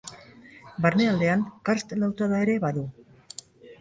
Barnealdean Karst lautada ere badu.